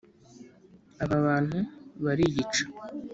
aba bantu bariyica.